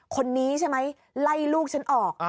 คนนี้ใช่ไหมไล่ลูกฉันออก